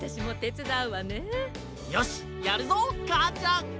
よしやるぞかあちゃん！